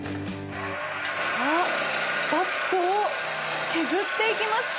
あっバットを削っていきます。